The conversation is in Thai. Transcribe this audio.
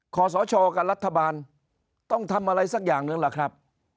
ขอสชกับรัฐบาลต้องทำอะไรสักอย่างหนึ่งล่ะครับ